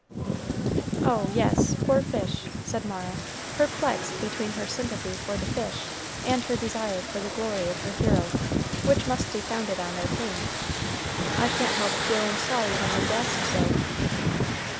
"Oh, yes, poor fish!" said Mara, perplexed between her sympathy for the fish and her desire for the glory of her hero, which must be founded on their pain; "I can't help feeling sorry when they gasp so."